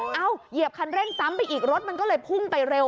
เหยียบคันเร่งซ้ำไปอีกรถมันก็เลยพุ่งไปเร็ว